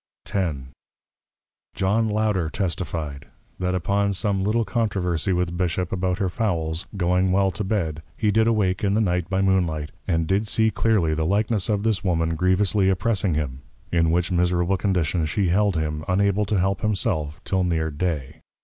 X. John Louder testify'd, That upon some little Controversy with Bishop about her Fowls, going well to Bed, he did awake in the Night by Moonlight, and did see clearly the likeness of this Woman grievously oppressing him; in which miserable condition she held him, unable to help himself, till near Day.